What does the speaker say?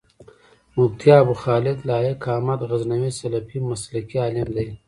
مفتي ابوخالد لائق احمد غزنوي سلفي مسلک عالم دی